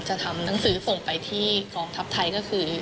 ทำหนังสือส่งไปที่กองทัพไทยก็คือ